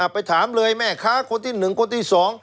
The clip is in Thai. ไปถามเลยแม่ค้าคนที่๑คนที่๒